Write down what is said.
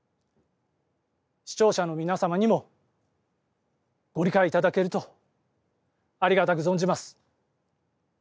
視聴者の皆様にもご理解いただけるとありがたく存じます。